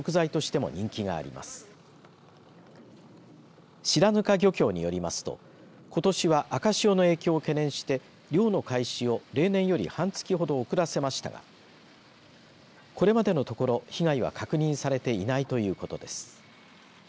白糠漁協によりますとことしは赤潮の影響を懸念して漁の開始を例年より半月ほど遅らせましたがこれまでのところ被害は確認されていないということです。